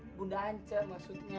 eh bunda ancer maksudnya